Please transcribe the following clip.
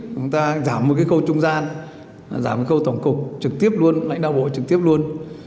chúng ta giảm một cái khâu trung gian giảm cái khâu tổng cục trực tiếp luôn lãnh đạo bộ trực tiếp luôn